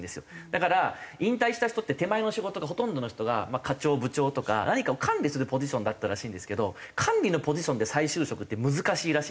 だから引退した人って手前の仕事がほとんどの人が課長部長とか何かを管理するポジションだったらしいんですけど管理のポジションで再就職って難しいらしいんですね。